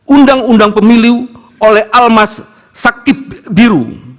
undang undang pemiliu oleh almas saktib biru